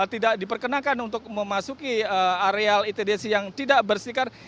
tidak diperkenalkan untuk memasuki areal itdc yang tidak bersikar